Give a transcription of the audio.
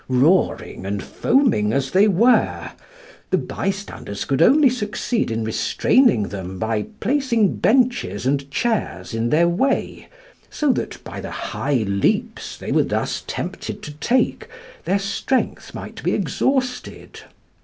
Roaring and foaming as they were, the bystanders could only succeed in restraining them by placing benches and chairs in their way, so that, by the high leaps they were thus tempted to take, their strength might be exhausted.